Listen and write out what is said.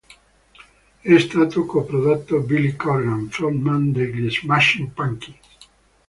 È stato co-prodotto Billy Corgan frontman degli Smashing Pumpkins.